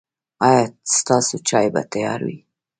ایا ستاسو چای به تیار وي؟